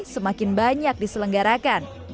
semakin banyak diselenggarakan